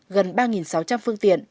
gần ba sáu trăm linh phương tiện